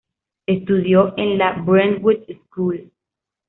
Estudió en la Brentwood School.